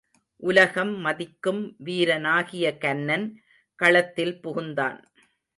உலகம் மதிக்கும் வீரனாகிய கன்னன் களத்தில் புகுந்தான்.